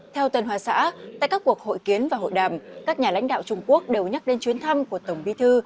theo tân hoa xã tại các cuộc hội kiến và hội đàm các nhà lãnh đạo trung quốc đều nhắc đến chuyến thăm của tổng bí thư